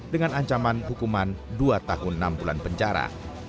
dengan ancaman hukuman dua tahun enam bulan penjara